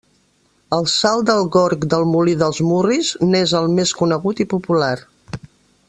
El salt del Gorg del Molí dels Murris n'és el més conegut i popular.